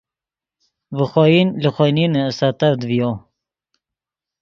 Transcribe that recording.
ڤے خوئن لے خوئے نینے سیتڤد ڤیو